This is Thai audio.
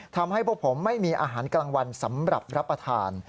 ทำให้พวกผมไม่มีอาหารกลางวันสำหรับรับประทาน